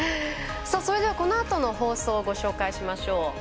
それではこのあとの放送をご紹介しましょう。